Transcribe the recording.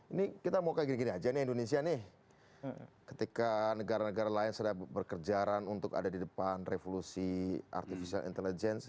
ini kita mau kayak gini gini aja nih indonesia nih ketika negara negara lain sudah berkejaran untuk ada di depan revolusi artificial intelligence